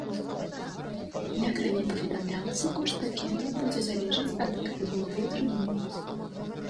Як раней паведамлялася, кошт пакетаў будзе залежаць ад катэгорыі трыбун.